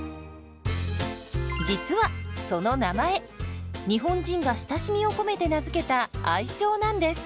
実はその名前日本人が親しみを込めて名付けた愛称なんです。